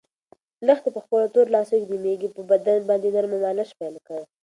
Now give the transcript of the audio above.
لښتې په خپلو تورو لاسو د مېږې په بدن باندې نرمه مالش پیل کړ.